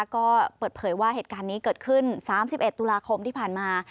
ก็เปิดเผยว่าเหตุการณ์นี้เกิดขึ้น๓๑ตุลาคมที่ผ่านมา